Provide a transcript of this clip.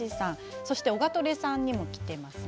そしてオガトレさんにもきています。